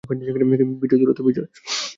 বিজয়, দূরত্ব।